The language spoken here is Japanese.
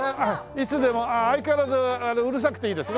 いつでも相変わらずうるさくていいですね。